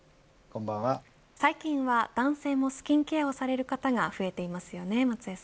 最近は男性もスキンケアをされる方が増えていますよね